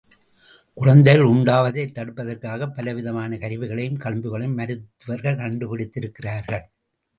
குழந்தைகள் உண்டாவதைத் தடுப்பதற்காகப் பலவிதமான கருவிகளையும் களிம்புகளையும் மருத்துவர்கள் கண்டுபிடித்திருக்கிறார்கள்.